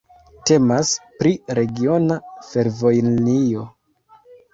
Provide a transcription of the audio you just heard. Temas pri regiona fervojlinio.